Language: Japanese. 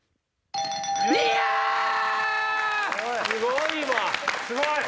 すごいわ！